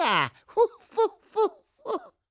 フォッフォッフォッフォッ。